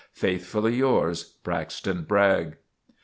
Faithfully yours, BRAXTON BRAGG.